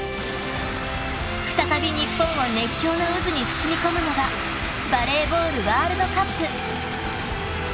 ［再び日本を熱狂の渦に包み込むのがバレーボールワールドカップ］